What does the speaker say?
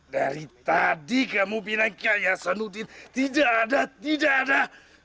dari tadi kamu bilang kiai hasanuddin tidak ada